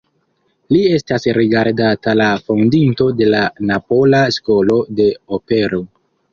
Li estas rigardata la fondinto de la napola skolo de opero.